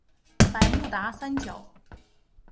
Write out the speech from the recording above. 百慕达三角。